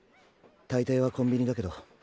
大抵はコンビニだけど。